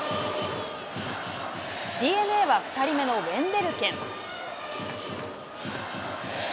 ＤｅＮＡは２人目のウェンデルケン。